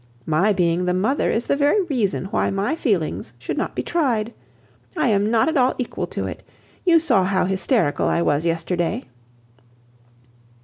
My being the mother is the very reason why my feelings should not be tried. I am not at all equal to it. You saw how hysterical I was yesterday."